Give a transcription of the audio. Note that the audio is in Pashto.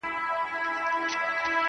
• څارنوال ودغه راز ته نه پوهېږي,